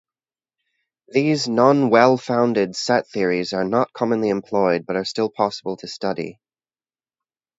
These non-well-founded set theories are not commonly employed, but are still possible to study.